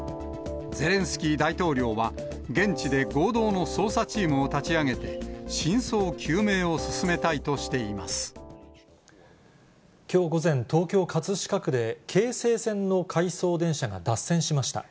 ゼレンスキー大統領は、現地で合同の捜査チームを立ち上げて、真相究明を進めたいとしてきょう午前、東京・葛飾区で京成線の回送電車が脱線しました。